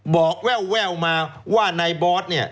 บอกแววมาว่าในบอสเนี่ย